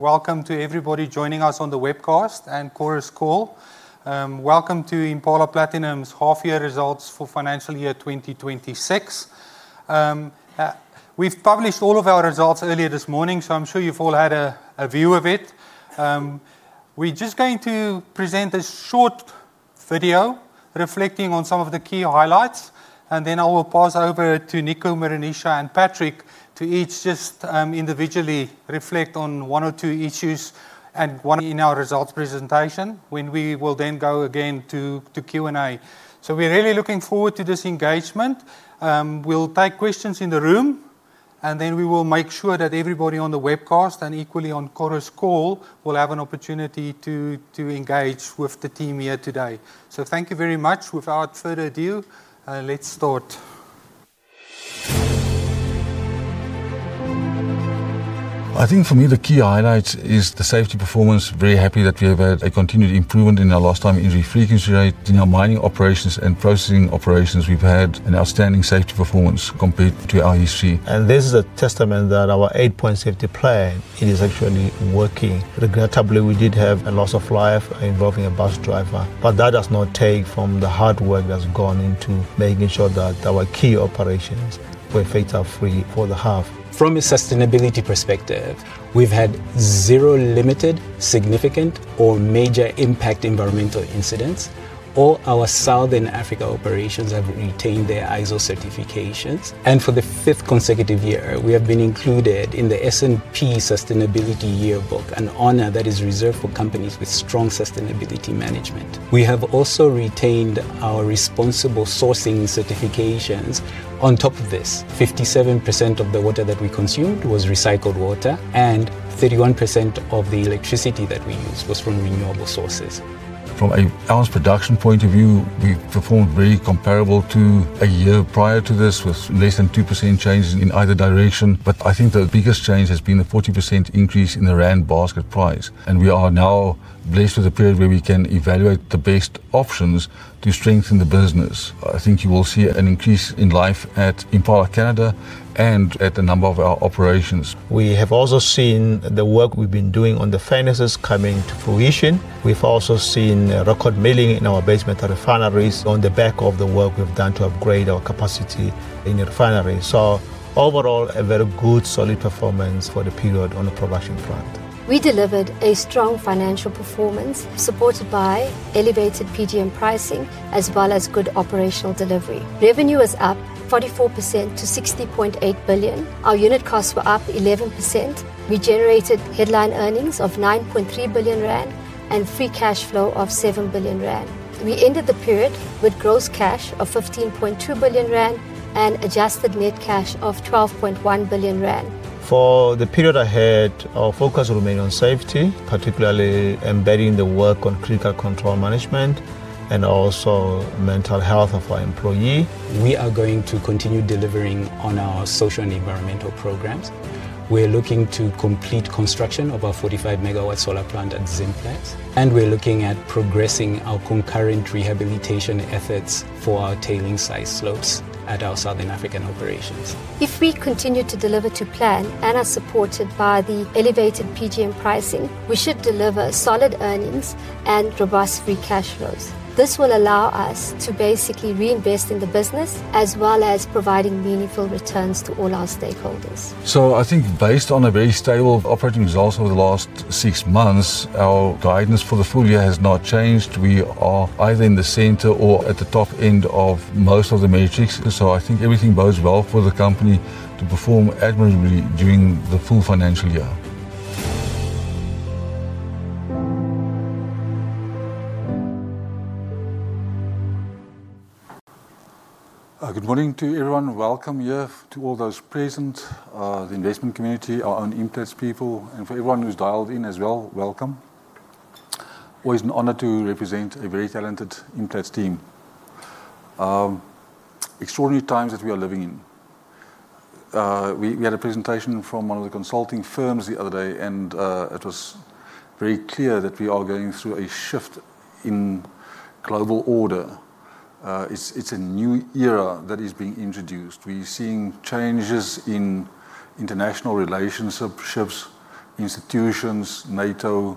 Welcome to everybody joining us on the webcast and Chorus Call. Welcome to Impala Platinum's half year results for financial year 2026. We've published all of our results earlier this morning, so I'm sure you've all had a view of it. We're just going to present a short video reflecting on some of the key highlights, and then I will pass over to Nico, Meroonisha, and Patrick to each just individually reflect on one or two issues and one in our results presentation, when we will then go again to Q&A. We're really looking forward to this engagement. We'll take questions in the room, and then we will make sure that everybody on the webcast and equally on Chorus Call will have an opportunity to engage with the team here today. Thank you very much. Without further ado, let's start. I think for me, the key highlight is the safety performance. Very happy that we have had a continued improvement in our lost time injury frequency rate. In our Mining Operations and processing operations, we've had an outstanding safety performance compared to our history. This is a testament that our eight-point safety plan is actually working. Regrettably, we did have a loss of life involving a bus driver, but that does not take from the hard work that's gone into making sure that our key operations were fatal-free for the half. From a sustainability perspective, we've had zero limited, significant, or major impact environmental incidents. All our Southern Africa operations have retained their ISO certifications, and for the fifth consecutive year, we have been included in the S&P Sustainability Yearbook, an honor that is reserved for companies with strong sustainability management. We have also retained our responsible sourcing certifications. On top of this, 57% of the water that we consumed was recycled water, and 31% of the electricity that we used was from renewable sources. From a ounce production point of view, we performed very comparable to a year prior to this with less than 2% change in either direction. I think the biggest change has been the 40% increase in the rand basket price, and we are now blessed with a period where we can evaluate the best options to strengthen the business. I think you will see an increase in life at Impala Canada and at a number of our operations. We have also seen the work we've been doing on the furnaces coming to fruition. We've also seen record milling in our base metal refineries on the back of the work we've done to upgrade our capacity in refinery. Overall, a very good, solid performance for the period on the production front. We delivered a strong financial performance supported by elevated PGM pricing as well as good operational delivery. Revenue was up 44% to 60.8 billion. Our unit costs were up 11%. We generated headline earnings of 9.3 billion rand and free cash flow of 7 billion rand. We ended the period with gross cash of 15.2 billion rand and adjusted net cash of 12.1 billion rand. For the period ahead, our focus will remain on safety, particularly embedding the work on critical control management and also mental health of our employee. We are going to continue delivering on our social and environmental programs. We're looking to complete construction of our 45 MW solar plant at Zimplats. We're looking at progressing our concurrent rehabilitation efforts for our tailing size slopes at our Southern African operations. If we continue to deliver to plan and are supported by the elevated PGM pricing, we should deliver solid earnings and robust free cash flows. This will allow us to basically reinvest in the business as well as providing meaningful returns to all our stakeholders. I think based on a very stable operating results over the last six months, our guidance for the full year has not changed. We are either in the center or at the top end of most of the metrics. I think everything bodes well for the company to perform admirably during the full financial year. Good morning to everyone. Welcome here to all those present, the investment community, our own Impala people, and for everyone who's dialed in as well, welcome. Always an honor to represent a very talented Impala team. Extraordinary times that we are living in. We had a presentation from one of the consulting firms the other day, and it was very clear that we are going through a shift in global order. It's a new era that is being introduced. We're seeing changes in international relationships, institutions, NATO.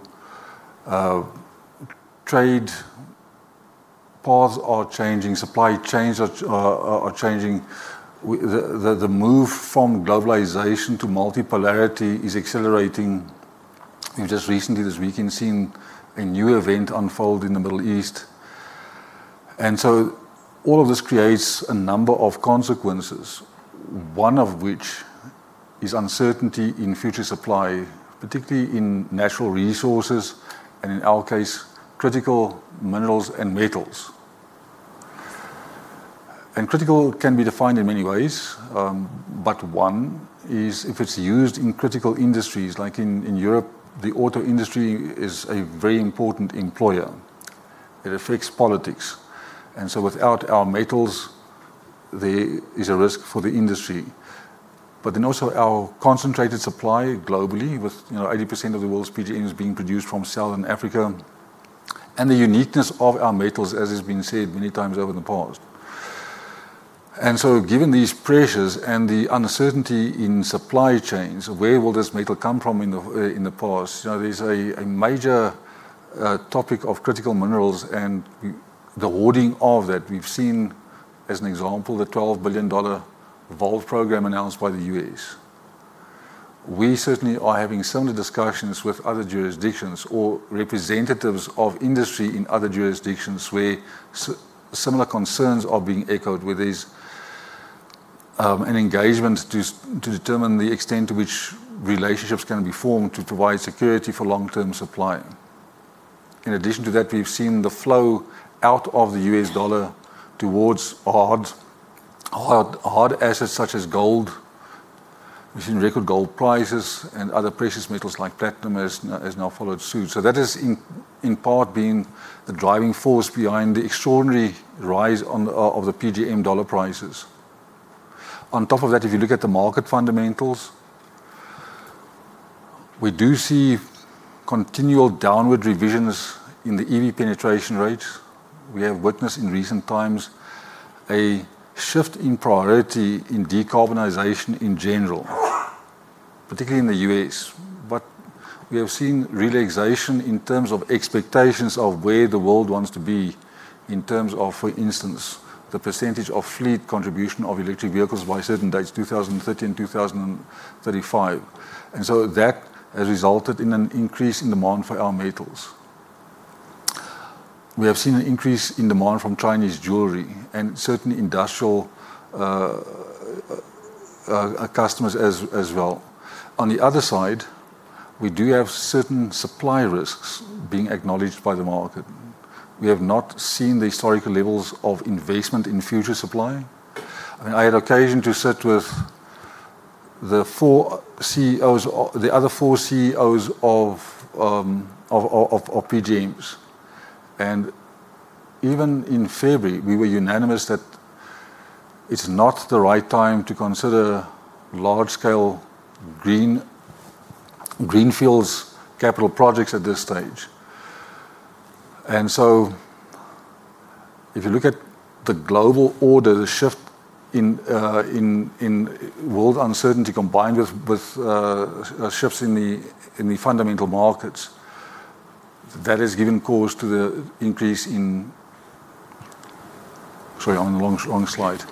Trade paths are changing. Supply chains are changing. The move from globalization to multipolarity is accelerating. Just recently this week, we've seen a new event unfold in the Middle East. All of this creates a number of consequences, one of which is uncertainty in future supply, particularly in natural resources and in our case, critical minerals and metals. Critical can be defined in many ways, but one is if it's used in critical industries. Like in Europe, the auto industry is a very important employer. It reflects politics, without our metals, there is a risk for the industry. Also our concentrated supply globally with, you know, 80% of the world's PGMs being produced from Southern Africa, and the uniqueness of our metals, as has been said many times over in the past. Given these pressures and the uncertainty in supply chains, where will this metal come from in the past? You know, there's a major topic of critical minerals and the hoarding of that. We've seen as an example, the $12 billion VOW program announced by the U.S. We certainly are having similar discussions with other jurisdictions or representatives of industry in other jurisdictions where similar concerns are being echoed with these, an engagement to determine the extent to which relationships can be formed to provide security for long-term supply. In addition to that, we've seen the flow out of the U.S. dollar towards hard assets such as gold. We've seen record gold prices and other precious metals like platinum has now followed suit. That has in part, been the driving force behind the extraordinary rise of the PGM dollar prices. On top of that, if you look at the market fundamentals, we do see continual downward revisions in the EV penetration rates. We have witnessed in recent times a shift in priority in decarbonization in general, particularly in the U.S. We have seen relaxation in terms of expectations of where the world wants to be in terms of, for instance, the percentage of fleet contribution of electric vehicles by certain dates, 2030 and 2035. That has resulted in an increase in demand for our metals. We have seen an increase in demand from Chinese jewelry and certainly industrial customers as well. On the other side, we do have certain supply risks being acknowledged by the market. We have not seen the historical levels of investment in future supply. I had occasion to sit with the four CEOs, the other four CEOs of PGMs, and even in February, we were unanimous that it's not the right time to consider large-scale greenfields capital projects at this stage. If you look at the global order, the shift in world uncertainty combined with shifts in the fundamental markets, that has given cause to the increase in... Sorry, I'm on the wrong slide.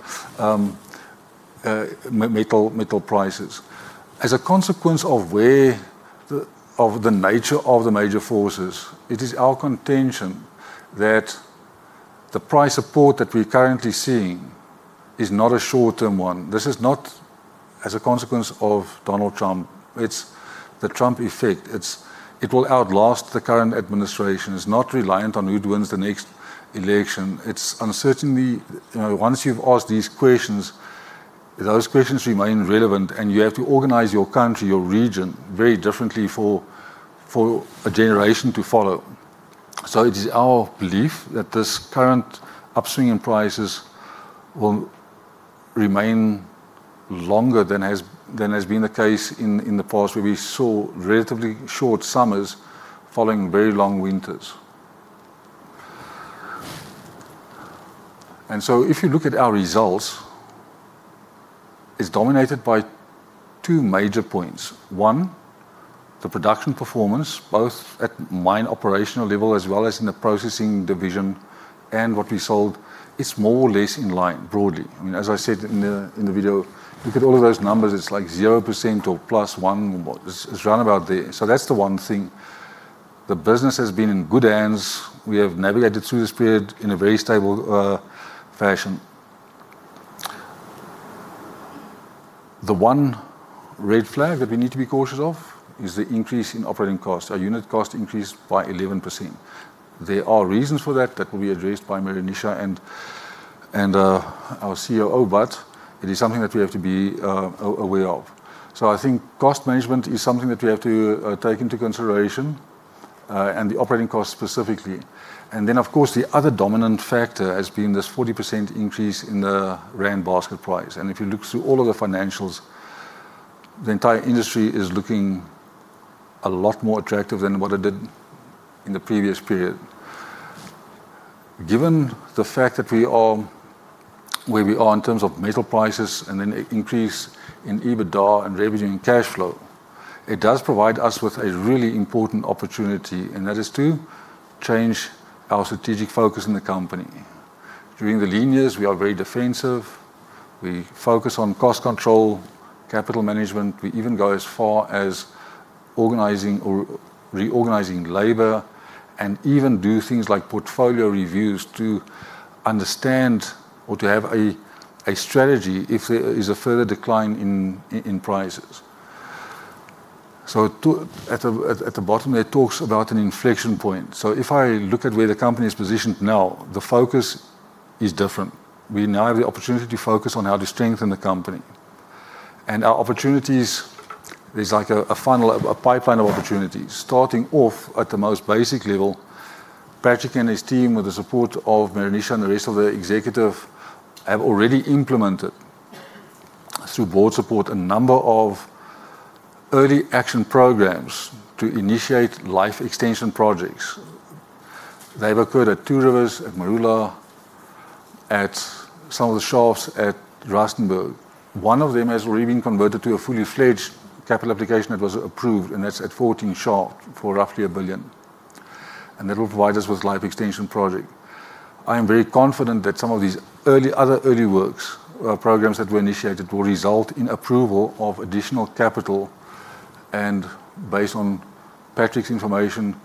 Metal prices. As a consequence of the nature of the major forces, it is our contention that the price support that we're currently seeing is not a short-term one. This is not as a consequence of Donald Trump. It's the Trump effect. It will outlast the current administration. It's not reliant on who wins the next election. It's uncertainty. You know, once you've asked these questions, those questions remain relevant, and you have to organize your country, your region, very differently for a generation to follow. It is our belief that this current upswing in prices will remain longer than has, than has been the case in the past, where we saw relatively short summers following very long winters. If you look at our results, it's dominated by two major points. One, the production performance, both at mine operational level as well as in the processing division and what we sold is more or less in line broadly. I mean, as I said in the video, look at all of those numbers. It's like 0% or +1%. It's around about there. That's the one thing. The business has been in good hands. We have navigated through this period in a very stable fashion. The one red flag that we need to be cautious of is the increase in operating costs. Our unit cost increased by 11%. There are reasons for that that will be addressed by Meroonisha and our COO, but it is something that we have to be aware of. I think cost management is something that we have to take into consideration, and the operating costs specifically. Then of course, the other dominant factor has been this 40% increase in the rand basket price. If you look through all of the financials, the entire industry is looking a lot more attractive than what it did in the previous period. Given the fact that we are where we are in terms of metal prices and an increase in EBITDA and revenue and cash flow, it does provide us with a really important opportunity, and that is to change our strategic focus in the company. During the lean years, we are very defensive. We focus on cost control, capital management. We even go as far as organizing or reorganizing labor and even do things like portfolio reviews to understand or to have a strategy if there is a further decline in prices. At the bottom, it talks about an inflection point. If I look at where the company is positioned now, the focus is different. We now have the opportunity to focus on how to strengthen the company. Our opportunities is like a funnel, a pipeline of opportunities. Starting off at the most basic level, Patrick and his team, with the support of Meroonisha and the rest of the executive, have already implemented through board support, a number of early action programs to initiate life extension projects. They've occurred at Two Rivers, at Marula, at some of the shafts at Rustenburg. One of them has already been converted to a fully-fledged capital application that was approved, and that's at 14 Shaft for roughly 1 billion. That will provide us with life extension project. I am very confident that some of these other early works programs that were initiated will result in approval of additional capital and based on Patrick's information,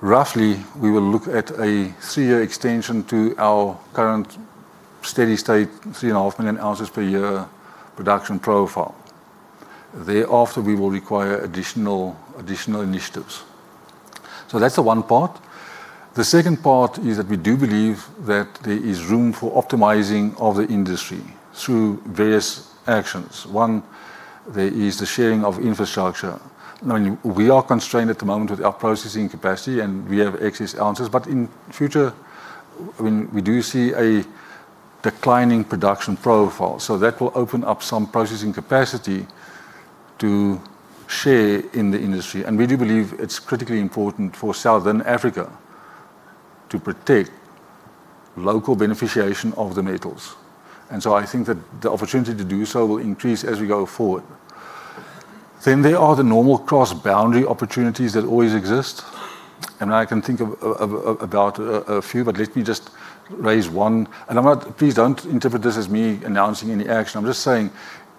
roughly we will look at a three-year extension to our current steady-state 3.5 million ounces per year production profile. Thereafter, we will require additional initiatives. That's the one part. The second part is that we do believe that there is room for optimizing of the industry through various actions. One, there is the sharing of infrastructure. Now we are constrained at the moment with our processing capacity, and we have excess ounces. In future, when we do see a declining production profile. That will open up some processing capacity to share in the industry. We do believe it's critically important for Southern Africa to protect local beneficiation of the metals. I think that the opportunity to do so will increase as we go forward. There are the normal cross-boundary opportunities that always exist, and I can think of about a few, but let me just raise one. Please don't interpret this as me announcing any action. I'm just saying,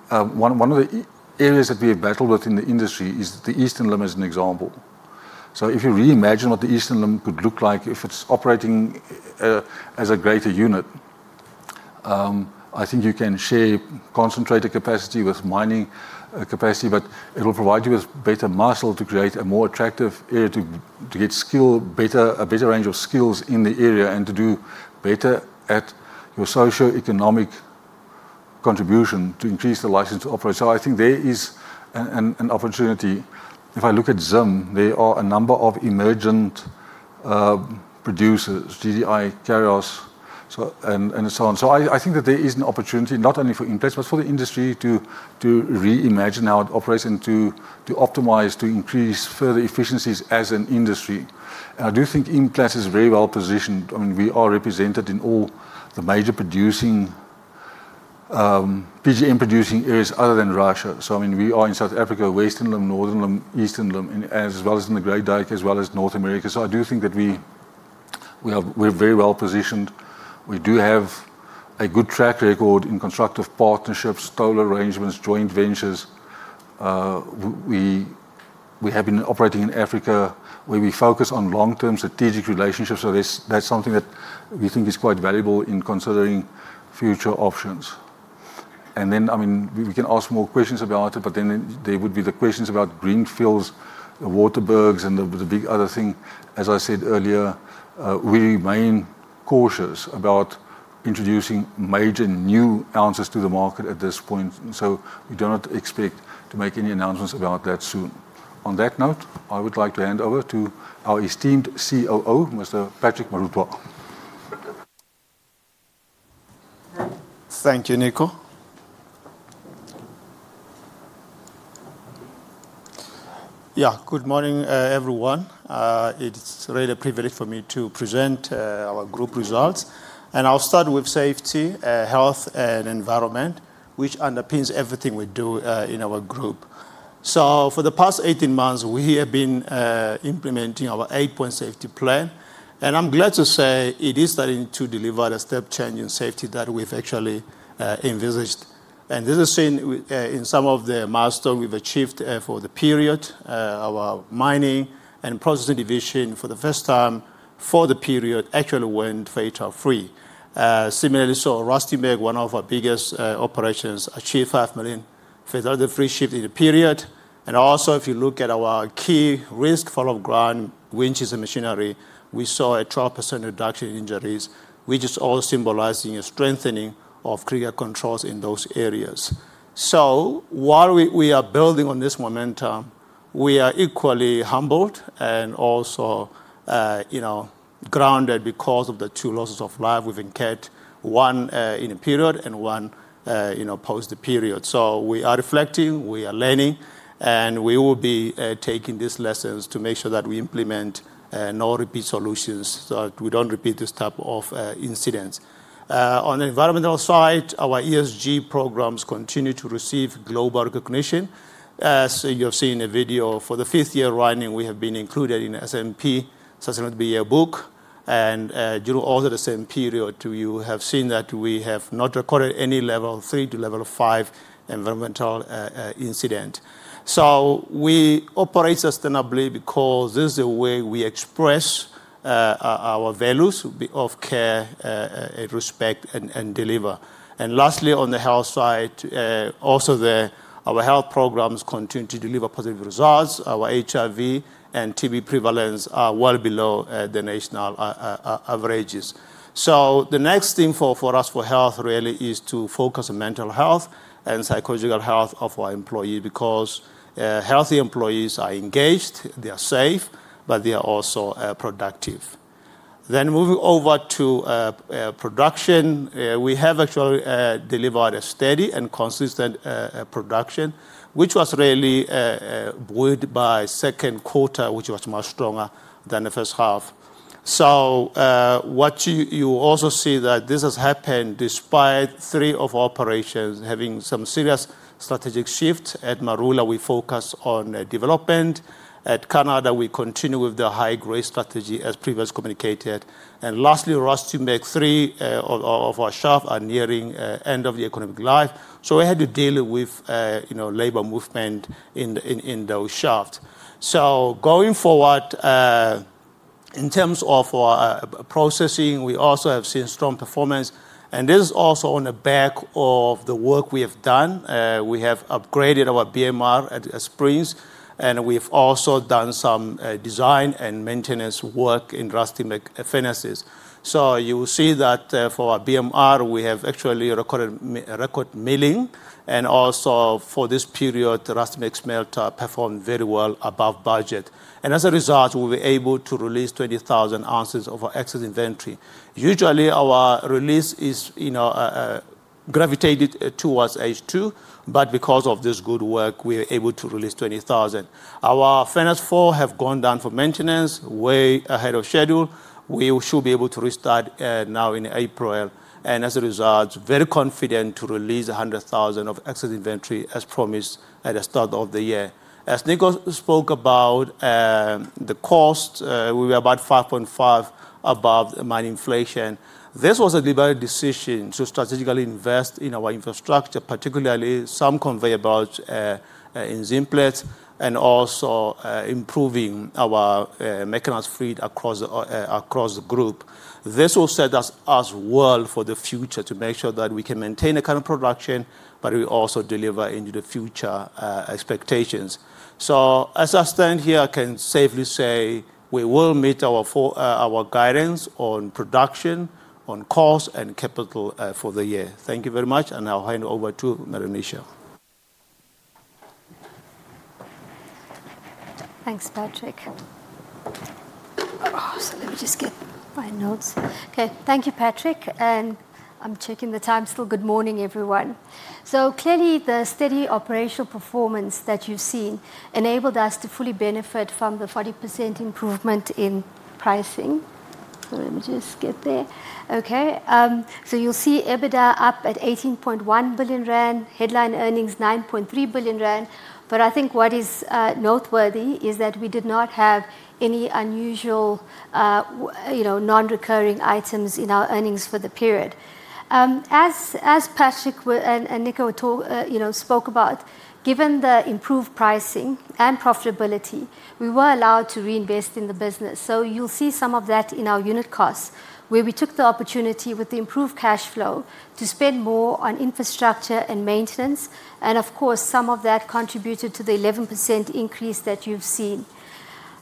one of the areas that we have battled with in the industry is the Eastern Limb as an example. If you reimagine what the Eastern Limb could look like if it's operating as a greater unit, I think you can share concentrated capacity with mining capacity, but it'll provide you with better muscle to create a more attractive area to get skill, a better range of skills in the area and to do better at your socioeconomic contribution to increase the license to operate. I think there is an opportunity. If I look at Zim, there are a number of emergent producers, GDI, Karo, and so on. I think that there is an opportunity not only for Implats, but for the industry to reimagine how it operates and to optimize, to increase further efficiencies as an industry. I do think Implats is very well positioned. I mean, we are represented in all the major producing PGM producing areas other than Russia. I mean, we are in South Africa, Western Limb, Northern Limb, Eastern Limb, and as well as in the Great Dyke, as well as North America. I do think that we are, we're very well positioned. We do have a good track record in constructive partnerships, toll arrangements, joint ventures. We have been operating in Africa, where we focus on long-term strategic relationships. That's, that's something that we think is quite valuable in considering future options. I mean, we can ask more questions about it, but then there would be the questions about greenfields, Waterberg, and the big other thing, as I said earlier, we remain cautious about introducing major new ounces to the market at this point. We do not expect to make any announcements about that soon. On that note, I would like to hand over to our esteemed COO, Mr. Patrick Morutlwa. Thank you, Nico. Yeah, good morning, everyone. It's really a privilege for me to present our group results. I'll start with safety, health and environment, which underpins everything we do in our group. For the past 18 months, we have been implementing our eight-point safety plan, and I'm glad to say it is starting to deliver a step change in safety that we've actually envisaged. This is seen in some of the milestones we've achieved for the period. Our mining and processing division, for the first time for the period, actually went fatal-free. Similarly so, Rustenburg, one of our biggest operations, achieved five million fatality-free shift in the period. Also, if you look at our key risk, fall of ground, winches and machinery, we saw a 12% reduction in injuries, which is all symbolizing a strengthening of greater controls in those areas. While we are building on this momentum, we are equally humbled and also, you know, grounded because of the two losses of life we've incurred, one in the period and one, you know, post the period. We are reflecting, we are learning, and we will be taking these lessons to make sure that we implement no-repeat solutions, so that we don't repeat this type of incidents. On the environmental side, our ESG programs continue to receive global recognition. As you have seen a video, for the fifth year running, we have been included in S&P Sustainability Yearbook. During all of the same period, you have seen that we have not recorded any level three to level five environmental incident. We operate sustainably because this is the way we express our values of care, respect, and deliver. Lastly, on the health side, also our health programs continue to deliver positive results. Our HIV and TB prevalence are well below the national averages. The next thing for us for health really is to focus on mental health and psychological health of our employee because healthy employees are engaged, they are safe, but they are also productive. Moving over to production, we have actually delivered a steady and consistent production, which was really buoyed by second quarter, which was much stronger than the first half. What you also see that this has happened despite three of our operations having some serious strategic shifts. At Marula, we focus on development. At Canada, we continue with the high-grade strategy as previously communicated. Lastly, Rustenburg, three of our shaft are nearing end of the economic life. We had to deal with, you know, labor movement in those shaft. Going forward, in terms of our processing, we also have seen strong performance, and this is also on the back of the work we have done. We have upgraded our BMR at Springs, and we've also done some design and maintenance work in Rustenburg furnaces. You will see that, for our BMR, we have actually recorded record milling, and also for this period, the Rustenburg smelter performed very well above budget. As a result, we were able to release 20,000 oz of our excess inventory. Usually, our release is, you know, gravitated towards H2. Because of this good work, we are able to release 20,000 oz. Our Furnace 4 have gone down for maintenance way ahead of schedule. We should be able to restart now in April. As a result, very confident to release 100,000 oz of excess inventory as promised at the start of the year. As Nico spoke about the cost, we were about 5.5% above mine inflation. This was a deliberate decision to strategically invest in our infrastructure, particularly some conveyables in Zimplats, and also improving our mechanised fleet across the group. This will set us well for the future to make sure that we can maintain the current production, but we also deliver into the future expectations. As I stand here, I can safely say we will meet our guidance on production, on cost and capital for the year. Thank you very much, and I'll hand over to Meroonisha. Thanks, Patrick. Let me just get my notes. Okay. Thank you, Patrick, and I'm checking the time still. Good morning, everyone. Clearly, the steady operational performance that you've seen enabled us to fully benefit from the 40% improvement in pricing. Let me just get there. Okay. You'll see EBITDA up at 18.1 billion rand, headline earnings 9.3 billion rand. I think what is noteworthy is that we did not have any unusual, you know, non-recurring items in our earnings for the period. As Patrick and Nico told, you know, spoke about, given the improved pricing and profitability, we were allowed to reinvest in the business. You'll see some of that in our unit costs, where we took the opportunity with the improved cash flow to spend more on infrastructure and maintenance. Of course, some of that contributed to the 11% increase that you've seen.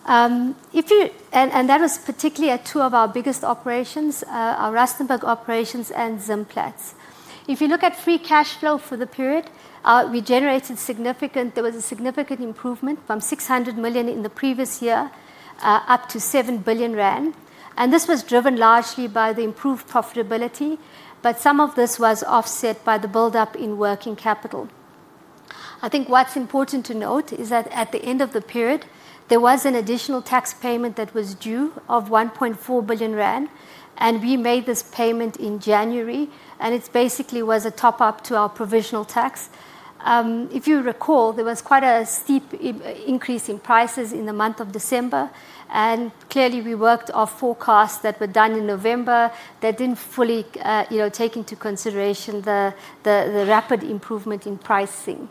That was particularly at two of our biggest operations, our Rustenburg operations and Zimplats. If you look at free cash flow for the period, there was a significant improvement from 600 million in the previous year, up to 7 billion rand, this was driven largely by the improved profitability, some of this was offset by the buildup in working capital. I think what's important to note is that at the end of the period, there was an additional tax payment that was due of 1.4 billion rand, we made this payment in January, it basically was a top-up to our provisional tax. If you recall, there was quite a steep increase in prices in the month of December, clearly we worked our forecasts that were done in November that didn't fully, you know, take into consideration the rapid improvement in pricing.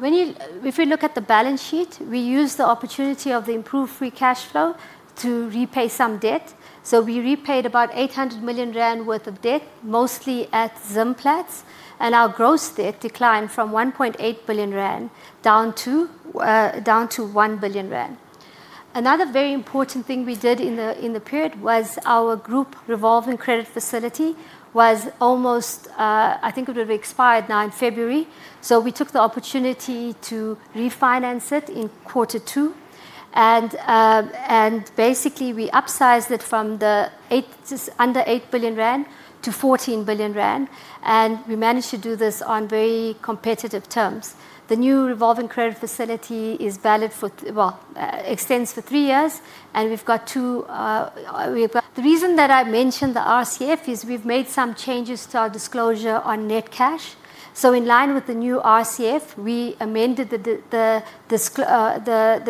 If you look at the balance sheet, we used the opportunity of the improved free cash flow to repay some debt. We repaid about 800 million rand worth of debt, mostly at Zimplats, our gross debt declined from 1.8 billion rand down to 1 billion rand. Another very important thing we did in the period was our group revolving credit facility was almost, I think it would have expired now in February. We took the opportunity to refinance it in quarter two, and basically, we upsized it from under 8 billion-14 billion rand, and we managed to do this on very competitive terms. The new revolving credit facility is valid for, extends for three years, and the reason that I mentioned the RCF is we've made some changes to our disclosure on net cash. In line with the new RCF, we amended the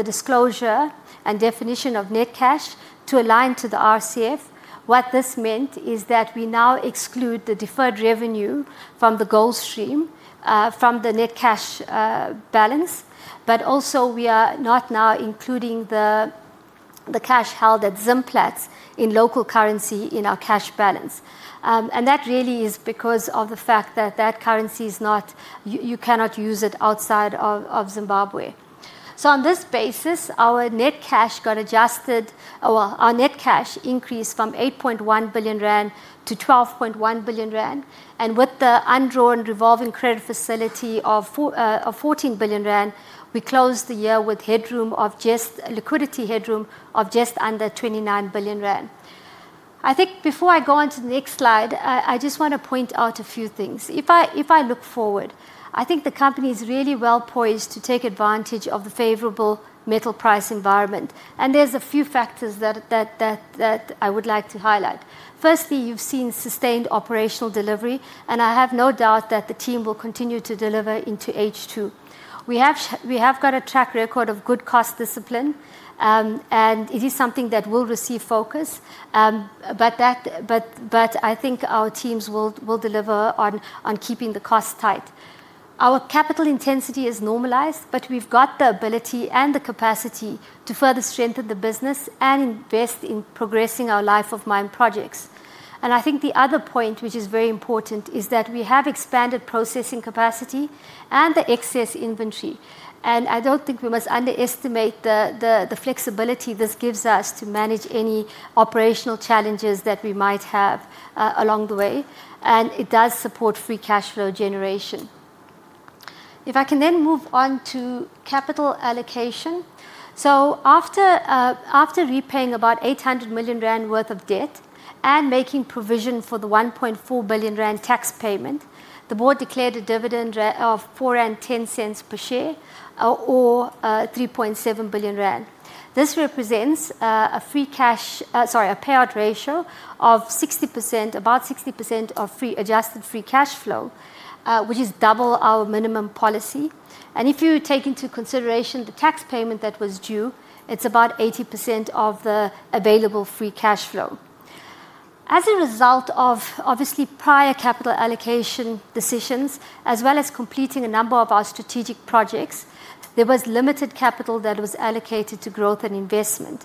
disclosure and definition of net cash to align to the RCF. What this meant is that we now exclude the deferred revenue from the gold stream from the net cash balance, but also we are not now including the cash held at Zimplats in local currency in our cash balance. That really is because of the fact that that currency is not. You cannot use it outside of Zimbabwe. On this basis, our net cash got adjusted. Well, our net cash increased from 8.1 billion-12.1 billion rand. With the undrawn revolving credit facility of 14 billion rand, we closed the year with liquidity headroom of just under 29 billion rand. I think before I go on to the next slide, I just wanna point out a few things. If I look forward, I think the company's really well poised to take advantage of the favorable metal price environment, there's a few factors that I would like to highlight. Firstly, you've seen sustained operational delivery, and I have no doubt that the team will continue to deliver into H2. We have got a track record of good cost discipline, and it is something that will receive focus, but I think our teams will deliver on keeping the costs tight. Our capital intensity is normalized, but we've got the ability and the capacity to further strengthen the business and invest in progressing our life of mine projects. I think the other point which is very important is that we have expanded processing capacity and the excess inventory. I don't think we must underestimate the flexibility this gives us to manage any operational challenges that we might have along the way, and it does support free cash flow generation. If I can then move on to capital allocation. After repaying about 800 million rand worth of debt and making provision for the 1.4 billion rand tax payment, the board declared a dividend of 4.10 rand per share or 3.7 billion rand. This represents a payout ratio of 60% of free adjusted free cash flow, which is double our minimum policy. If you take into consideration the tax payment that was due, it's about 80% of the available free cash flow. As a result of obviously prior capital allocation decisions, as well as completing a number of our strategic projects, there was limited capital that was allocated to growth and investment.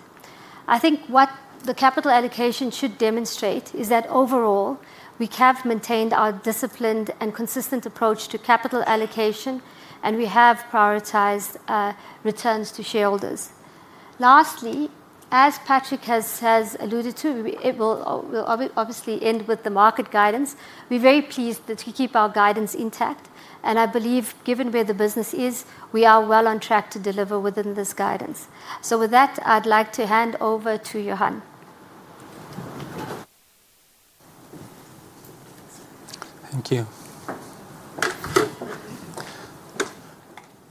I think what the capital allocation should demonstrate is that overall, we have maintained our disciplined and consistent approach to capital allocation, and we have prioritized returns to shareholders. Lastly, as Patrick has alluded to, it will obviously end with the market guidance. We're very pleased that we keep our guidance intact, and I believe given where the business is, we are well on track to deliver within this guidance. With that, I'd like to hand over to Johan. Thank you.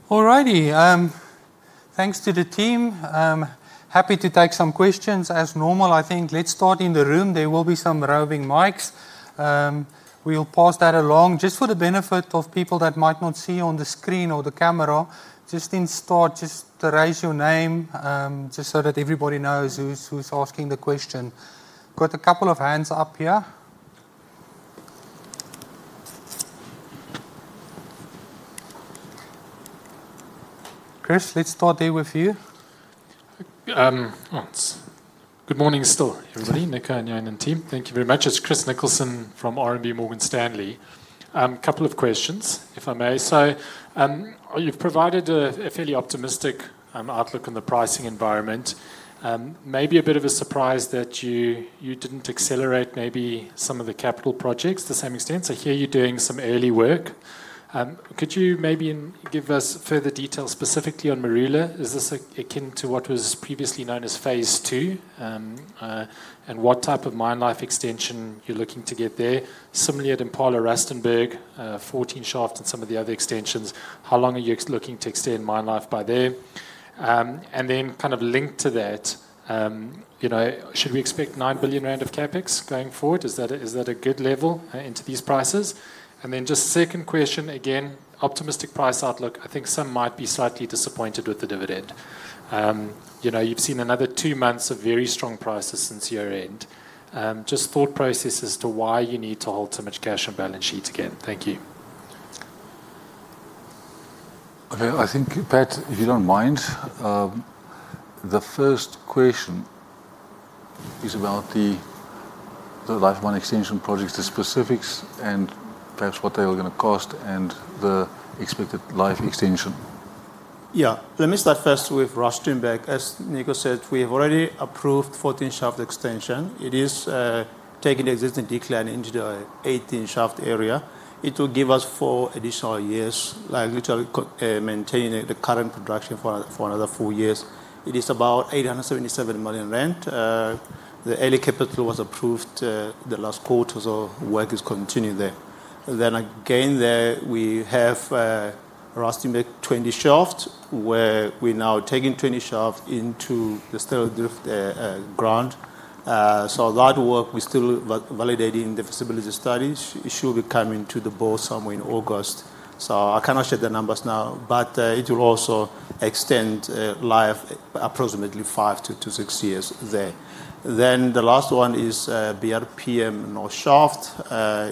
All righty, thanks to the team. Happy to take some questions as normal. I think let's start in the room. There will be some roving mics. We'll pass that along. Just for the benefit of people that might not see on the screen or the camera, just in start, just to raise your name, just so that everybody knows who's asking the question. Got a couple of hands up here. Chris, let's start there with you. Thanks. Good morning still, everybody, Nico and Johan and team. Thank you very much. It's Chris Nicholson from RMB Morgan Stanley. Couple of questions, if I may. You've provided a fairly optimistic outlook on the pricing environment. Maybe a bit of a surprise that you didn't accelerate some of the capital projects to the same extent. I hear you're doing some early work. Could you maybe give us further details specifically on Marula? Is this akin to what was previously known as phase II? And what type of mine life extension you're looking to get there? Similarly, at Impala Rustenburg, 14 Shaft and some of the other extensions, how long are you looking to extend mine life by there? Kind of linked to that, you know, should we expect 9 billion rand of CapEx going forward? Is that a good level into these prices? Just second question, again, optimistic price outlook. I think some might be slightly disappointed with the dividend. You know, you've seen another two months of very strong prices since year-end. Just thought process as to why you need to hold so much cash on balance sheet again. Thank you. I think, Pat, if you don't mind, the first question is about the life mine extension projects, the specifics and perhaps what they were gonna cost and the expected life extension. Let me start first with Rustenburg. As Nico said, we have already approved 14 Shaft extension. It is taking the existing decline into the 18 Shaft area. It will give us four additional years, like literally maintaining the current production for another four years. It is about 877 million. The early capital was approved the last quarter, so work is continuing there. Again, there we have Rustenburg 20 Shaft, where we're now taking 20 Shaft into the third drift ground. That work we're still validating the feasibility studies. It should be coming to the board somewhere in August. I cannot share the numbers now, but it will also extend life approximately five to six years there. The last one is, BRPM North Shaft,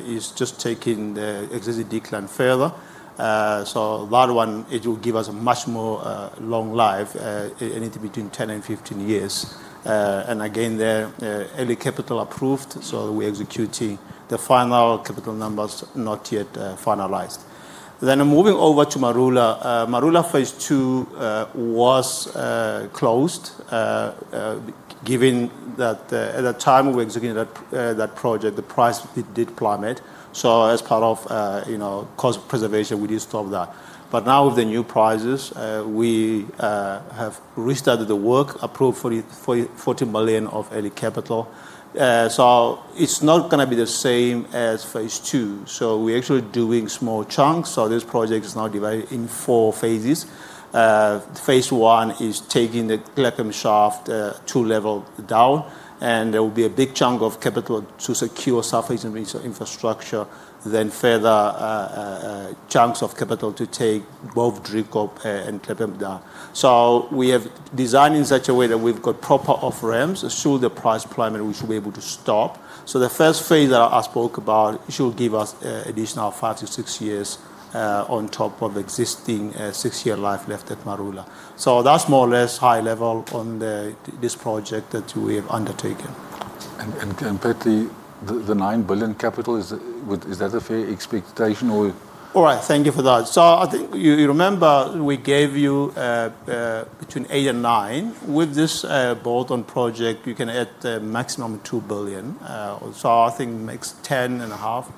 is just taking the existing decline further. That one, it will give us a much more, long life, anything between 10 and 15 years. Again, the early capital approved, so we're executing. The final capital numbers not yet, finalized. Moving over to Marula. Marula phase II was closed given that at the time we executed that project, the price did plummet. So as part of, you know, cost preservation, we did stop that. But now with the new prices, we have restarted the work, approved 440 million of early capital. So it's not going to be the same as phase II. We're actually doing small chunks. So this project is now divided in four phases. Phase I is taking the Klepgem shaft two level down, and there will be a big chunk of capital to secure surface and infrastructure, then further chunks of capital to take both Driekop and Klepgem down. So we have designed in such a way that we've got proper off-ramps. Should the price plummet, we should be able to stop. The first phase that I spoke about should give us additional five to six years on top of existing six-year life left at Marula. That's more or less high level on this project that we have undertaken. Patrick, the 9 billion capital is that a fair expectation or? All right. Thank you for that. I think you remember we gave you, between 8 billion and 9 billion. With this bolt-on project, you can add a maximum 2 billion. I think makes 10.5 billion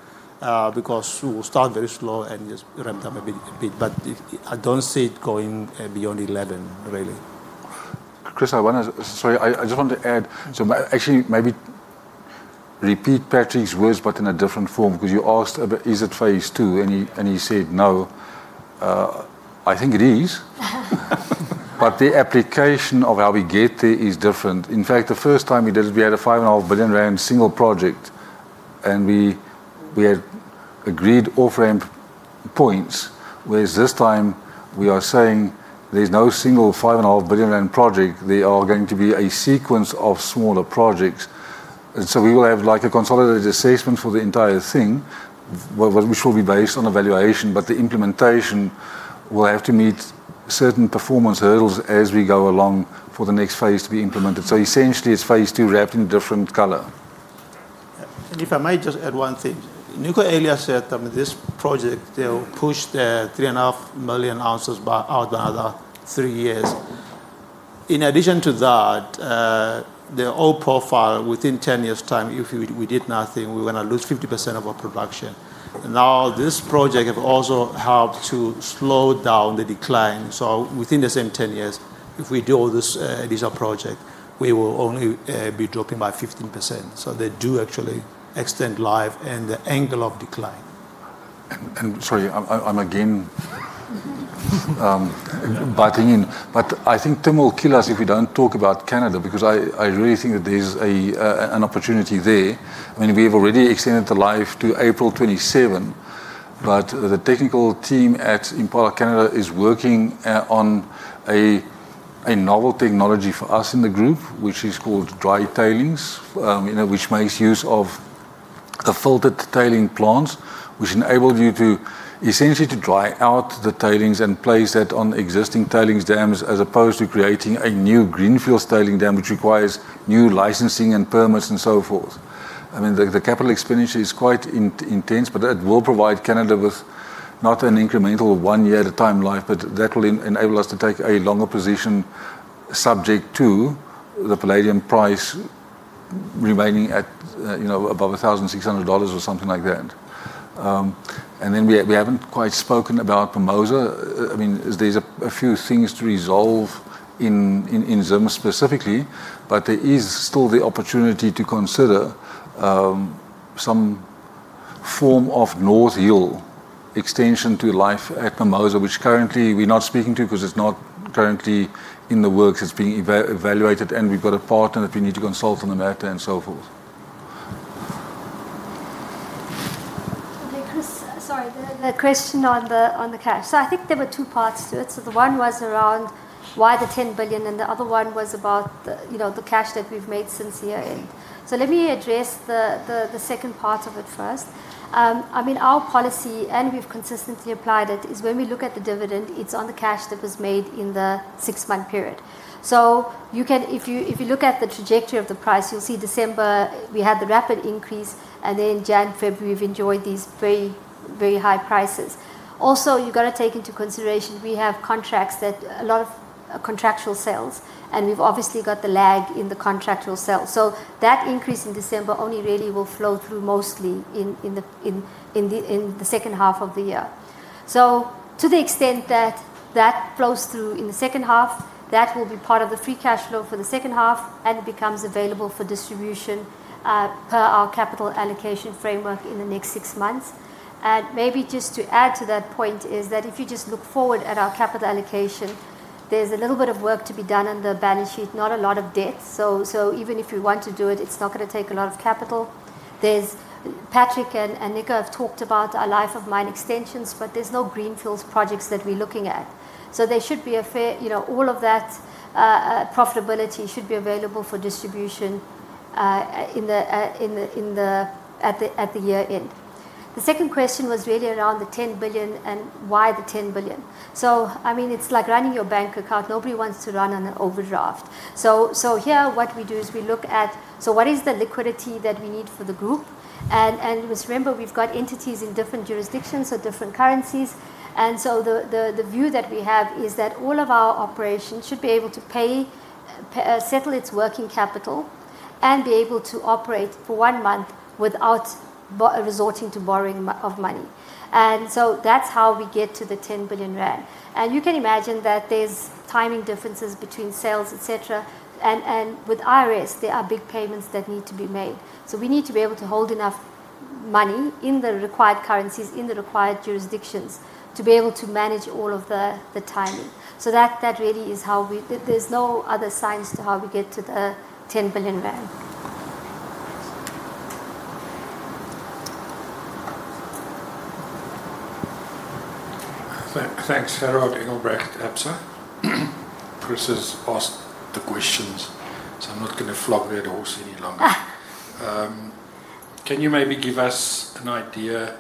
because we will start very slow and just ramp up a bit. I don't see it going beyond 11 billion really. Sorry, I just want to add. Actually maybe repeat Patrick's words but in a different form because you asked about is it phase II and he said, no. I think it is. The application of how we get there is different. In fact, the first time we did it, we had a 5.5 billion rand single project, and we had agreed off-ramp points. Whereas this time we are saying there's no single 5.5 billion rand project. They are going to be a sequence of smaller projects. We will have like a consolidated assessment for the entire thing, which will be based on evaluation, but the implementation will have to meet certain performance hurdles as we go along for the next phase to be implemented. Essentially it's phase II wrapped in different color. If I might just add one thing. Nico earlier said that with this project, they will push the 3.5 million ounces back out another three years. In addition to that, the old profile within 10 years' time, if we did nothing, we're gonna lose 50% of our production. This project have also helped to slow down the decline. Within the same 10 years, if we do all this, these project, we will only be dropping by 15%. They do actually extend life and the angle of decline. Sorry, I'm again butting in. I think Tim will kill us if we don't talk about Canada because I really think that there's an opportunity there. I mean, we've already extended the life to April 27. The technical team at Impala Canada is working on a novel technology for us in the group, which is called dry tailings, you know, which makes use of the filtered tailing plants, which enables you to essentially to dry out the tailings and place that on existing tailings dams as opposed to creating a new greenfield tailing dam, which requires new licensing and permits and so forth. I mean, the capital expenditure is quite intense, but that will provide Canada with not an incremental one year at a time life, but that will enable us to take a longer position subject to the palladium price remaining at, you know, above $1,600 or something like that. Then we haven't quite spoken about Mimosa. I mean, there's a few things to resolve in Zuma specifically, there is still the opportunity to consider some form of North Hill extension to life at Mimosa, which currently we're not speaking to because it's not currently in the works. It's being evaluated, and we've got a partner that we need to consult on the matter and so forth. Chris, sorry, the question on the cash. I think there were two parts to it. The one was around why the 10 billion, and the other one was about, you know, the cash that we've made since year-end. Let me address the second part of it first. I mean, our policy, and we've consistently applied it, is when we look at the dividend, it's on the cash that was made in the six-month period. You can, if you look at the trajectory of the price, you'll see December we had the rapid increase, and then January, February, we've enjoyed these very, very high prices. Also, you gotta take into consideration we have contracts that a lot of contractual sales, and we've obviously got the lag in the contractual sales. That increase in December only really will flow through mostly in the second half of the year. To the extent that that flows through in the second half, that will be part of the free cash flow for the second half and becomes available for distribution per our capital allocation framework in the next six months. Maybe just to add to that point is that if you just look forward at our capital allocation, there's a little bit of work to be done on the balance sheet, not a lot of debt. Even if we want to do it's not gonna take a lot of capital. There's Patrick and Nico have talked about our life of mine extensions, but there's no greenfields projects that we're looking at. There should be a fair, you know, all of that profitability should be available for distribution at the year-end. The second question was really around the 10 billion and why the 10 billion. I mean, it's like running your bank account. Nobody wants to run on an overdraft. Here what we do is we look at what is the liquidity that we need for the group? Just remember, we've got entities in different jurisdictions, so different currencies. The view that we have is that all of our operations should be able to pay, settle its working capital and be able to operate for one month without resorting to borrowing of money. That's how we get to the 10 billion rand. You can imagine that there's timing differences between sales, et cetera. With IRS, there are big payments that need to be made. We need to be able to hold enough money in the required currencies, in the required jurisdictions, to be able to manage all of the timing. That really is how we. There's no other science to how we get to the 10 billion rand. Thanks. Gerhard Engelbrecht, Absa. Chris has asked the questions, so I'm not gonna flog a dead horse any longer. Can you maybe give us an idea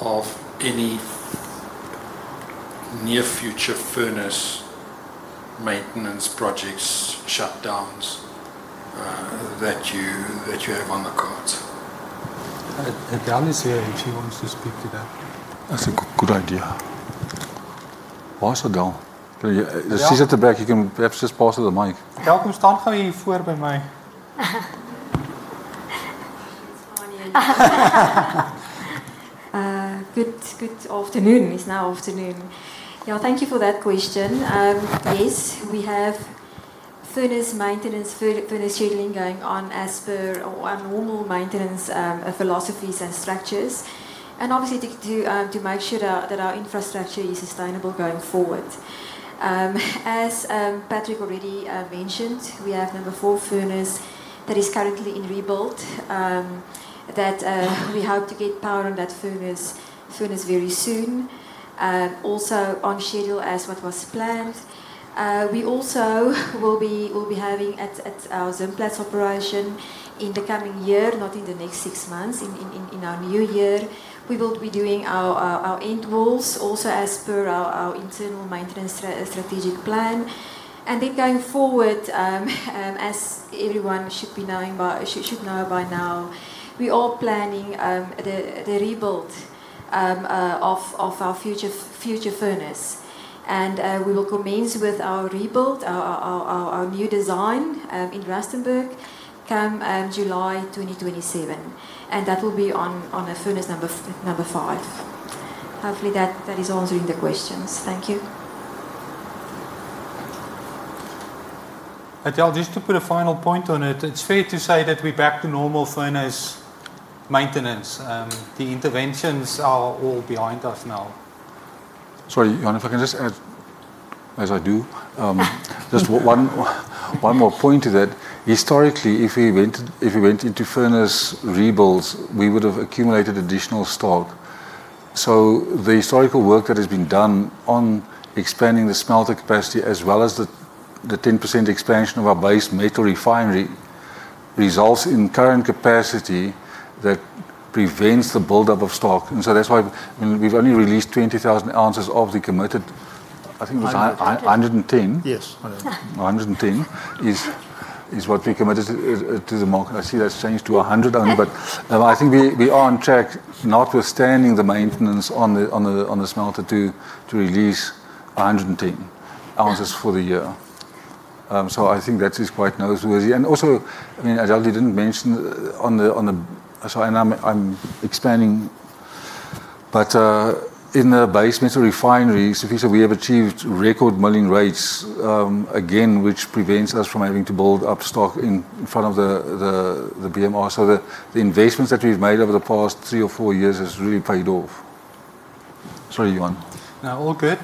of any near future furnace maintenance projects, shutdowns, that you have on the cards? Adele is here and she wants to speak to that. That's a good idea. Where's Adele? Can you- Yeah. If she's at the back, you can perhaps just pass her the mic. Adele, come stand quickly here in front of me. Sorry. Good afternoon. It's now afternoon. Thank you for that question. Yes, we have furnace maintenance, furnace scheduling going on as per our normal maintenance philosophies and structures. Obviously to make sure that our infrastructure is sustainable going forward. As Patrick already mentioned, we have number four furnace that is currently in rebuild that we hope to get power on that furnace very soon. Also on schedule as what was planned. We also will be having at our Zimplats operation in the coming year, not in the next six months, in our new year, we will be doing our end walls also as per our internal maintenance strategic plan. Going forward, as everyone should be knowing by, should know by now, we are planning the rebuild of our future furnace. we will commence with our rebuild, our new design in Rustenburg come July 2027, and that will be on the furnace Number five. Hopefully that is answering the questions. Thank you. Adele, just to put a final point on it's fair to say that we're back to normal furnace maintenance. The interventions are all behind us now. Sorry, Johan, if I can just add, as I do, just one more point to that. Historically, if we went into furnace rebuilds, we would have accumulated additional stock. The historical work that has been done on expanding the smelter capacity as well as the 10% expansion of our Base Metal Refinery results in current capacity that prevents the buildup of stock. That's why, I mean, we've only released 20,000 ounces of the committed, I think it was. 110,000 z. 110,000 oz. Yes. 110,000 oz. 110,000 oz is what we committed to the market. I see that's changed to 100,000 oz only. I think we are on track, notwithstanding the maintenance on the smelter to release 110,000 oz for the year. I think that is quite newsworthy. Also, I mean, Adele, you didn't mention on the... Sorry, I'm expanding. In the Base Metal Refinery, [Sufian], we have achieved record milling rates again, which prevents us from having to build up stock in front of the BMR. The investments that we've made over the past three or four years has really paid off. Sorry, Johan. No, all good.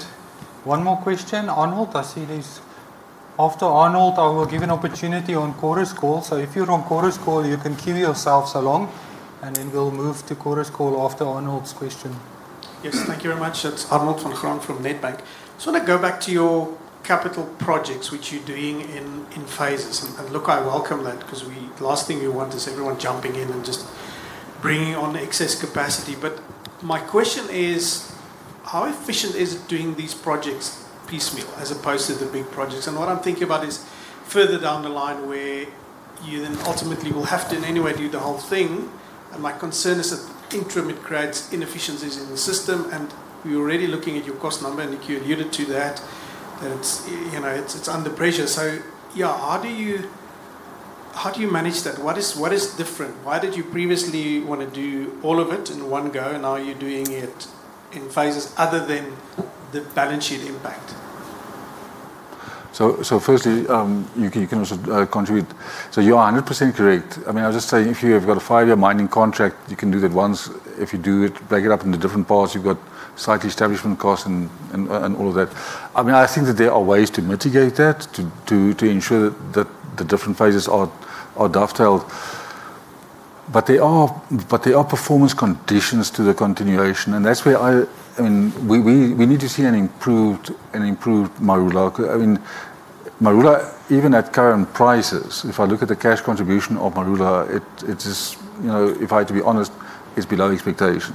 One more question. Arnold. After Arnold, I will give an opportunity on Chorus Call. If you're on Chorus Call, you can queue yourselves along, we'll move to Chorus Call after Arnold's question. Yes. Thank you very much. It's Arnold van Graan from Nedbank. Just wanna go back to your capital projects which you're doing in phases. Look, I welcome that because the last thing we want is everyone jumping in and just bringing on excess capacity. My question is, how efficient is it doing these projects piecemeal as opposed to the big projects? What I'm thinking about is further down the line where you then ultimately will have to in any way do the whole thing. My concern is that interim, it creates inefficiencies in the system. We're already looking at your cost number. You alluded to that it's, you know, it's under pressure. Yeah, how do you manage that? What is different? Why did you previously wanna do all of it in one go, and now you're doing it in phases other than the balance sheet impact? Firstly, you can also contribute. You are a 100% correct. I mean, I was just saying if you have got a five-year mining contract, you can do that once. If you do it, break it up into different parts, you've got site establishment costs and all of that. I mean, I think that there are ways to mitigate that to ensure that the different phases are dovetailed. There are performance conditions to the continuation, and that's where I... I mean, we need to see an improved Marula. I mean, Marula, even at current prices, if I look at the cash contribution of Marula, it is, you know, if I had to be honest, is below expectation.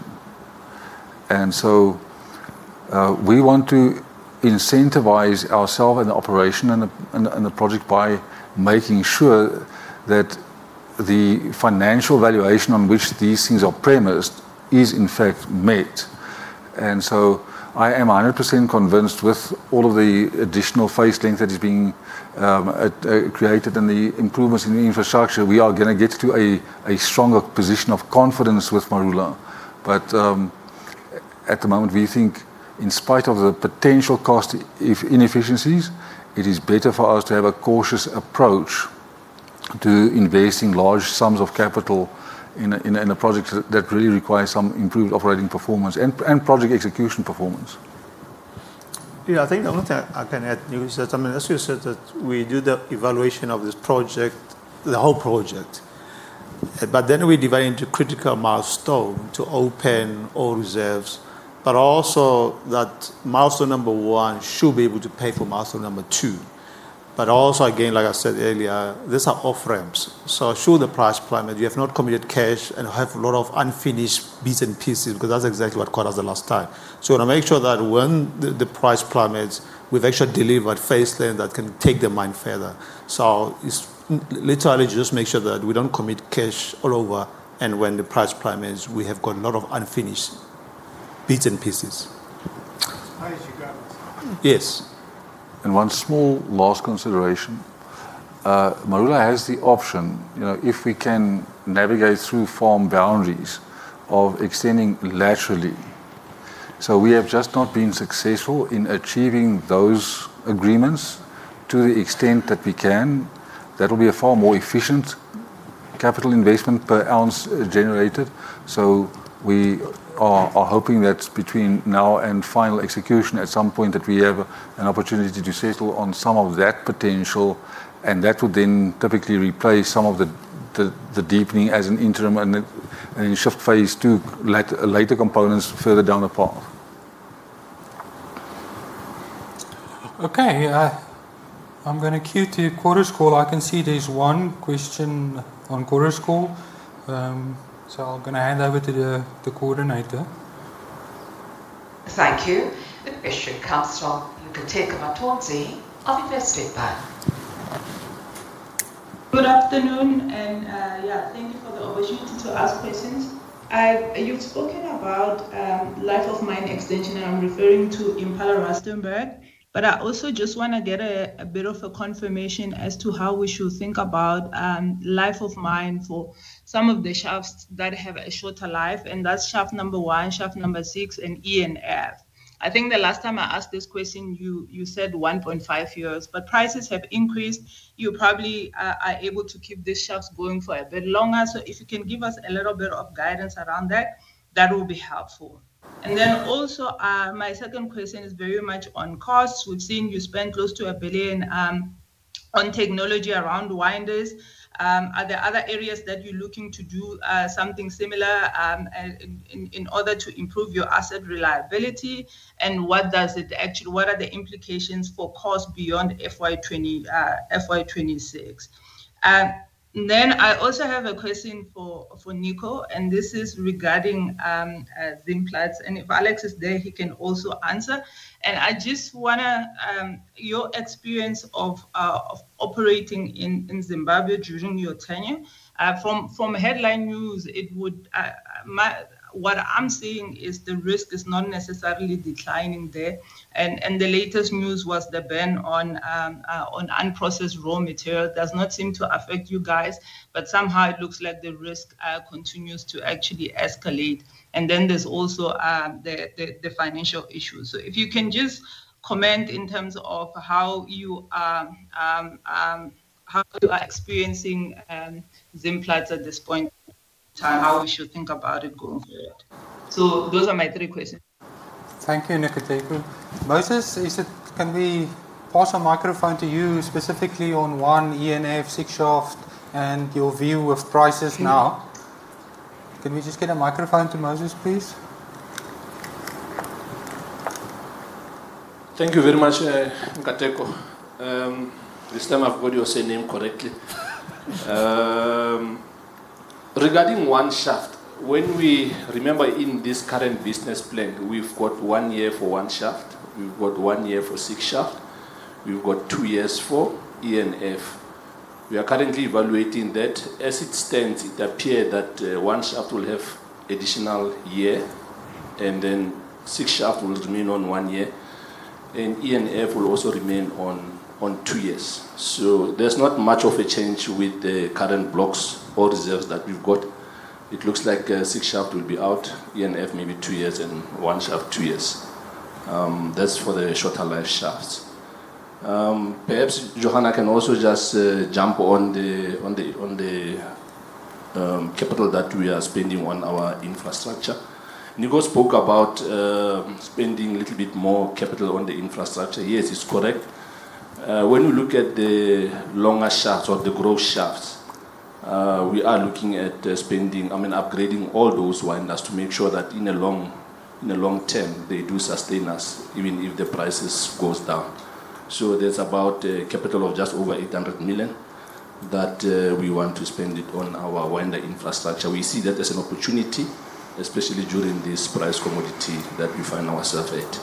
We want to incentivize ourselves and the operation and the project by making sure that the financial valuation on which these things are premised is in fact met. I am 100% convinced with all of the additional face length that is being created and the improvements in the infrastructure, we are going to get to a stronger position of confidence with Marula. At the moment, we think in spite of the potential cost inefficiencies, it is better for us to have a cautious approach to investing large sums of capital in a project that really requires some improved operating performance and project execution performance. I think the only thing I can add, Nico, is that, I mean, as you said that we do the evaluation of this project, the whole project, but then we divide into critical milestone to open all reserves, but also that milestone number one should be able to pay for milestone number two. Again, like I said earlier, these are off-ramps, so should the price plummet, you have not committed cash and have a lot of unfinished bits and pieces because that's exactly what caught us the last time. We wanna make sure that when the price plummets, we've actually delivered phase then that can take the mine further. It's literally just make sure that we don't commit cash all over, and when the price plummets, we have got a lot of unfinished bits and pieces. As high as you can. Yes. One small last consideration, Marula has the option, you know, if we can navigate through farm boundaries of extending laterally. We have just not been successful in achieving those agreements to the extent that we can. That'll be a far more efficient capital investment per ounce generated. We are hoping that between now and final execution at some point that we have an opportunity to settle on some of that potential and that will then typically replace some of the deepening as an interim and then shift phase II later components further down the path. Okay. I'm gonna queue to quarter call. I can see there's one question on quarter call. I'm gonna hand over to the coordinator. Thank you. The question comes from Nkateko Mathonsi of Investec Bank. Good afternoon, thank you for the opportunity to ask questions. You've spoken about life of mine extension, and I'm referring to Impala Rustenburg. I also just wanna get a bit of a confirmation as to how we should think about life of mine for some of the shafts that have a shorter life, and that's Shaft 1, Shaft 6, and E/F. I think the last time I asked this question, you said 1.5 years, but prices have increased. You probably are able to keep these shafts going for a bit longer. If you can give us a little bit of guidance around that would be helpful. My second question is very much on costs. We've seen you spend close to 1 billion on technology around winders. Are there other areas that you're looking to do something similar in order to improve your asset reliability? What does it actually what are the implications for cost beyond FY 2026, FY 2026? I also have a question for Nico, and this is regarding Zimplats. If Alex is there, he can also answer. I just wanna your experience of operating in Zimbabwe during your tenure. From headline news, it would what I'm seeing is the risk is not necessarily declining there. The latest news was the ban on unprocessed raw material does not seem to affect you guys, but somehow it looks like the risk continues to actually escalate. There's also the financial issues. If you can just comment in terms of how you are experiencing Zimplats at this point in time, how we should think about it going forward. Those are my three questions. Thank you, Nkateko. Moses, can we pass a microphone to you specifically on 1 Shaft, E/F, 6 Shaft, and your view of prices now? Can we just get a microphone to Moses, please? Thank you very much, Nkateko. This time I've got your surname correctly. Regarding 1 Shaft, when we remember in this current business plan, we've got one year for 1 Shaft, we've got one year for 6 Shaft, we've got two years for E/F. We are currently evaluating that. As it stands, it appear that 1 Shaft will have additional year, and then 6 Shaft will remain on one year, and E/F will also remain on two years. There's not much of a change with the current blocks or reserves that we've got. It looks like 6 Shaft will be out, E/F maybe two years, and 1 Shaft, two years. That's for the shorter life shafts. Perhaps Johan can also just jump on the capital that we are spending on our infrastructure. Nico spoke about spending a little bit more capital on the infrastructure. Yes, it's correct. When we look at the longer shafts or the growth shafts, we are looking at spending upgrading all those winders to make sure that in the long term, they do sustain us even if the prices goes down. There's about a capital of just over 800 million. That, we want to spend it on our winder infrastructure. We see that as an opportunity, especially during this price commodity that we find ourselves at.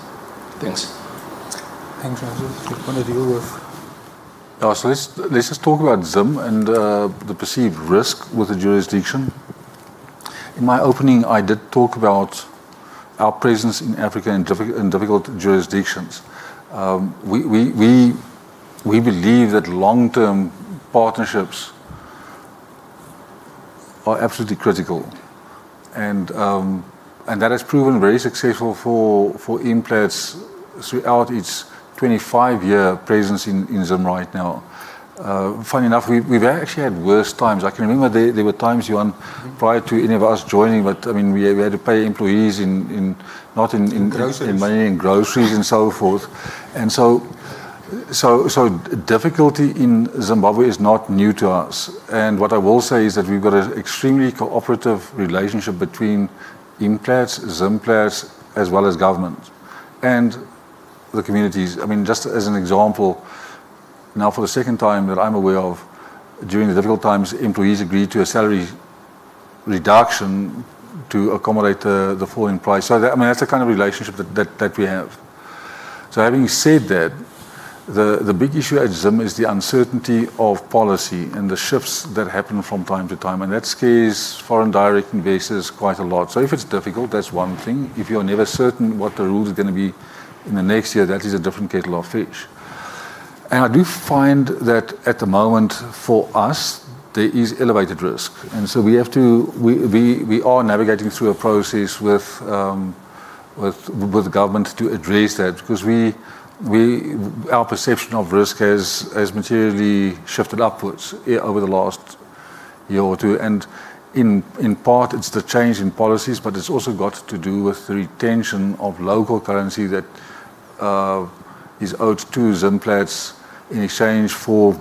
Thanks. Thanks. Take one of the. Let's just talk about Zim and the perceived risk with the jurisdiction. In my opening, I did talk about our presence in Africa in difficult jurisdictions. We believe that long-term partnerships are absolutely critical. That has proven very successful for Implats throughout its 25-year presence in Zim right now. Funny enough, we've actually had worse times. I can remember there were times, Johan, prior to any of us joining, I mean, we had to pay employees in not in. In groceries. In money, in groceries and so forth. Difficulty in Zimbabwe is not new to us. What I will say is that we've got an extremely cooperative relationship between Implats, Zimplats, as well as government and the communities. I mean, just as an example, now for the second time that I'm aware of, during the difficult times, employees agreed to a salary reduction to accommodate the fall in price. That, I mean, that's the kind of relationship that we have. Having said that, the big issue at Zim is the uncertainty of policy and the shifts that happen from time to time, and that scares foreign direct investors quite a lot. If it's difficult, that's one thing. If you're never certain what the rules are gonna be in the next year, that is a different kettle of fish. I do find that at the moment, for us, there is elevated risk. We are navigating through a process with the government to address that because our perception of risk has materially shifted upwards over the last year or two. In part, it's the change in policies, but it's also got to do with the retention of local currency that is owed to Zimplats in exchange for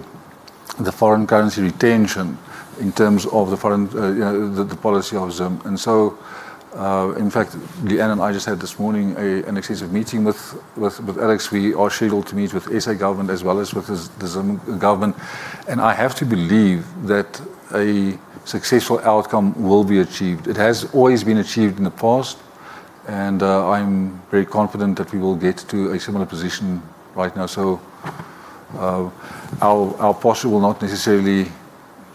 the foreign currency retention in terms of the foreign, you know, the policy of Zim. In fact, Leanne and I just had this morning an extensive meeting with Alex. We are scheduled to meet with S.A. government as well as with the Zim government. I have to believe that a successful outcome will be achieved. It has always been achieved in the past. I'm very confident that we will get to a similar position right now. Our posture will not necessarily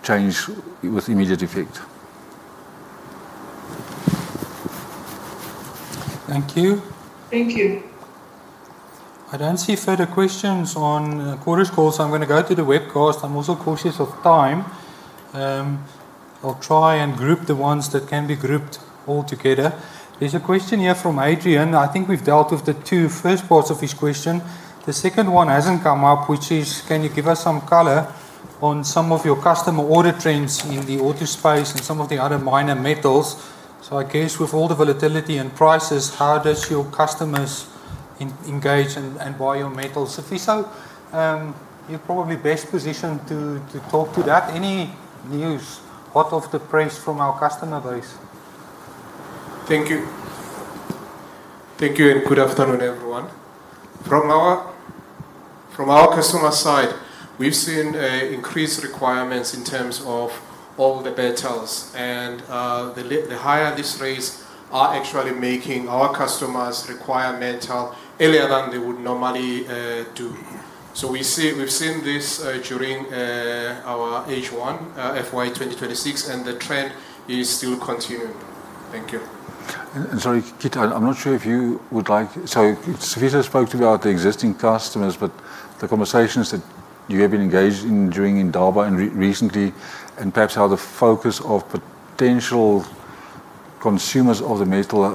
change with immediate effect. Thank you. Thank you. I don't see further questions on the Chorus Call, so I'm gonna go to the webcast. I'm also conscious of time. I'll try and group the ones that can be grouped all together. There's a question here from Adrian. I think we've dealt with the two first parts of his question. The second one hasn't come up, which is, "Can you give us some color on some of your customer order trends in the auto space and some of the other minor metals?" I guess with all the volatility in prices, how does your customers engage and buy your metals? Sifiso, you're probably best positioned to talk to that. Any news hot off the press from our customer base? Thank you. Good afternoon, everyone. From our customer side, we've seen increased requirements in terms of all the metals. The higher list rates are actually making our customers require metal earlier than they would normally do. We've seen this during our H1 FY 2026, and the trend is still continuing. Thank you. Sorry, Kirt, I'm not sure if you would like. Sifiso spoke to you about the existing customers. The conversations that you have been engaged in during Indaba and recently, and perhaps how the focus of potential consumers of the metal.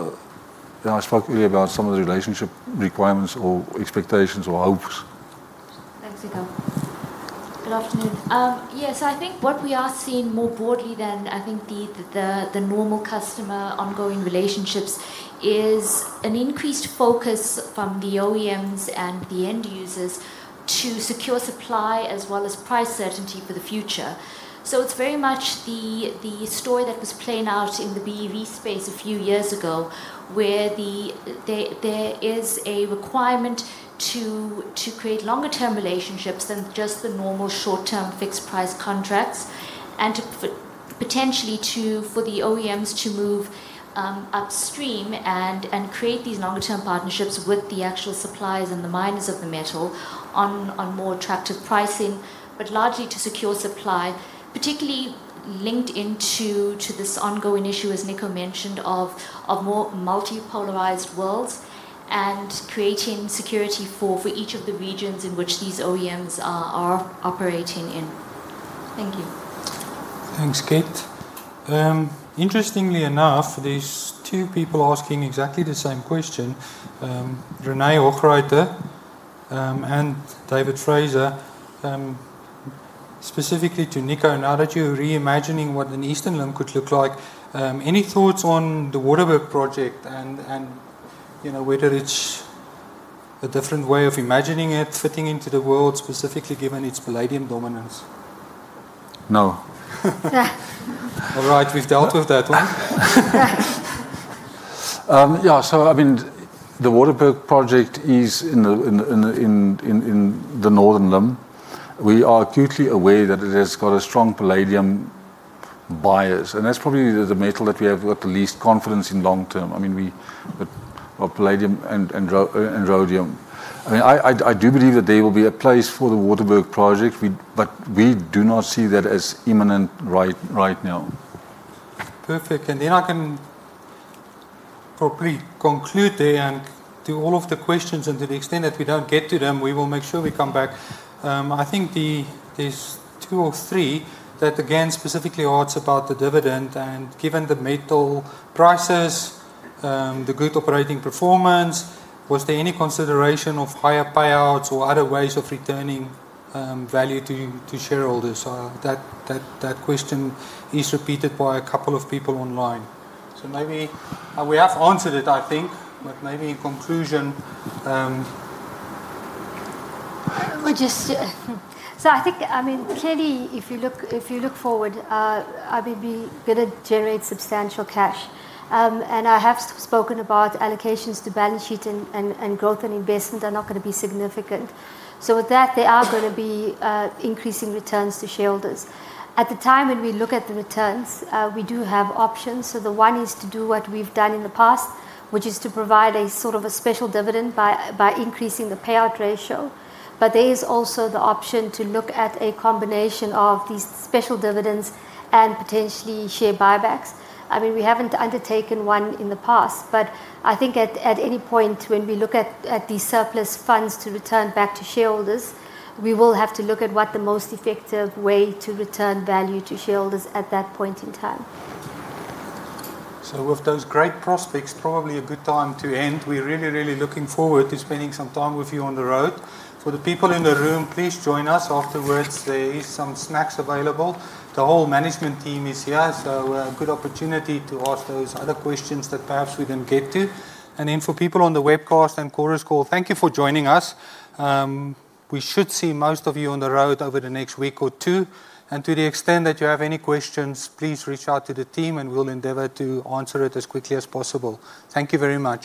You know, I spoke earlier about some of the relationship requirements or expectations or hopes. Thanks, Nico. Good afternoon. Yes, I think what we are seeing more broadly than I think the normal customer ongoing relationships is an increased focus from the OEMs and the end users to secure supply as well as price certainty for the future. It's very much the story that was playing out in the BEV space a few years ago, where there is a requirement to create longer term relationships than just the normal short-term fixed price contracts and potentially for the OEMs to move upstream and create these longer term partnerships with the actual suppliers and the miners of the metal on more attractive pricing, but largely to secure supply, particularly linked into this ongoing issue, as Nico mentioned, of a more multipolarized world and creating security for each of the regions in which these OEMs are operating in. Thank you. Thanks, Kirt. Interestingly enough, there's two people asking exactly the same question. Rene Hochreiter, and David Fraser, specifically to Nico, now that you're reimagining what an Eastern Limb could look like, any thoughts on the Waterberg project and, you know, whether it's a different way of imagining it fitting into the world, specifically given its palladium dominance? No. All right. We've dealt with that one. Yeah, so I mean, the Waterberg project is in the northern limb. We are acutely aware that it has got a strong palladium bias, and that's probably the metal that we have got the least confidence in long term. I mean, Well, palladium and rhodium. I mean, I do believe that there will be a place for the Waterberg project. We do not see that as imminent right now. Perfect. I can probably conclude there and to all of the questions, and to the extent that we don't get to them, we will make sure we come back. I think there's two or three that again specifically asks about the dividend and given the metal prices, the good operating performance, was there any consideration of higher payouts or other ways of returning value to shareholders? That question is repeated by a couple of people online. Maybe, we have answered it, I think, but maybe in conclusion. Just. I think, I mean, clearly if you look, if you look forward, are we gonna generate substantial cash? I have spoken about allocations to balance sheet and growth, and investment are not gonna be significant. With that, there are gonna be increasing returns to shareholders. At the time when we look at the returns, we do have options. The one is to do what we've done in the past, which is to provide a sort of a special dividend by increasing the payout ratio. There is also the option to look at a combination of these special dividends and potentially share buybacks. I mean, we haven't undertaken one in the past, but I think at any point when we look at these surplus funds to return back to shareholders, we will have to look at what the most effective way to return value to shareholders at that point in time. With those great prospects, probably a good time to end. We're really looking forward to spending some time with you on the road. For the people in the room, please join us afterwards. There is some snacks available. The whole management team is here, so a good opportunity to ask those other questions that perhaps we didn't get to. Then for people on the webcast and Chorus Call, thank you for joining us. We should see most of you on the road over the next week or two. To the extent that you have any questions, please reach out to the team and we'll endeavor to answer it as quickly as possible. Thank you very much.